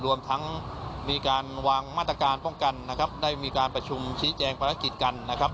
รวมทั้งมีการวางมาตรการป้องกันนะครับได้มีการประชุมชี้แจงภารกิจกันนะครับ